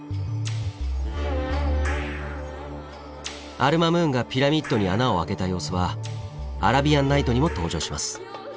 アル・マムーンがピラミッドに穴を開けた様子は「アラビアン・ナイト」にも登場します。